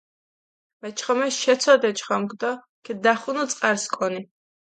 მეჩხომეს შეცოდჷ ე ჩხომქ დო ქიდნახუნუ წყარს კონი.